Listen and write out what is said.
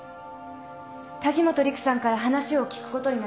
滝本陸さんから話を聞くことになり。